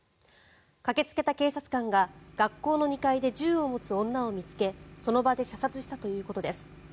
駆けつけた警察官が学校の２階で銃を持つ女を見つけその場で射殺したということです。